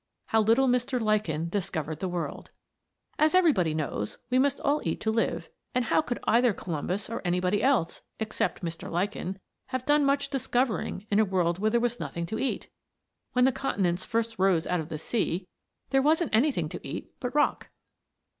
HOW LITTLE MR. LICHEN DISCOVERED THE WORLD As everybody knows, we must all eat to live, and how could either Columbus or anybody else except Mr. Lichen have done much discovering in a world where there was nothing to eat? When the continents first rose out of the sea there wasn't anything to eat but rock.